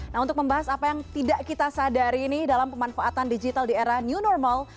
nah untuk membahas apa yang tidak kita sadari ini dalam pemanfaatan digital di era new normal